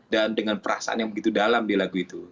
dan dengan perasaan yang begitu dalam di lagu itu